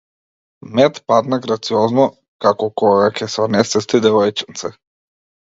Мет падна грациозно, како кога ќе се онесвести девојченце.